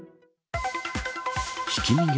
ひき逃げ？